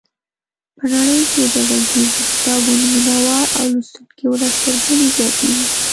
په نړۍ کې د غږیزو کتابونو مینوال او لوستونکي ورځ تر بلې زیاتېږي.